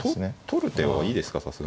取る手はいいですかさすがに。